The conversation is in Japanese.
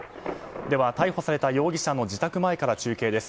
では逮捕された容疑者の自宅前から中継です。